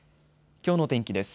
きょうの天気です。